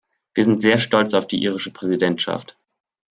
Wir sind sehr stolz auf die irische Präsidentschaft.